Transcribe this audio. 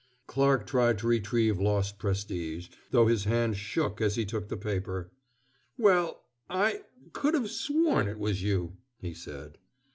Clarke tried to retrieve lost prestige, though his hand shook as he took the paper. "Well I could have sworn it was you!" he said.